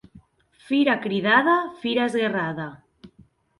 Fira cridada, fira esguerrada.